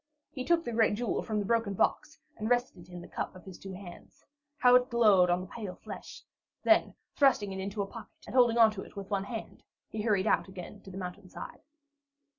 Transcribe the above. He took the great jewel from the broken box and rested it in the cup of his two hands. How it glowed on the pale flesh! Then, thrusting it into a pocket and holding onto it with one hand, he hurried out again to the mountainside.